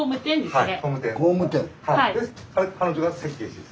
はい。